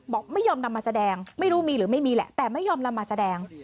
บอกไม่ยอมนำมาแสดงไม่รู้มีหรือไม่มีแหละแต่ไม่ยอมนำมาแสดง